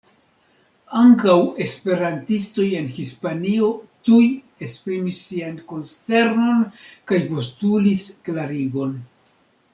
Ankaŭ esperantistoj en Hispanio tuj esprimis sian konsternon kaj postulis klarigon.